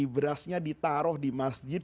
berasnya ditaruh di masjid